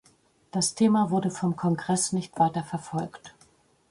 Das Thema wurde vom Kongress nicht weiter verfolgt.